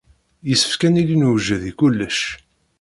Yessefk ad nili newjed i kullec.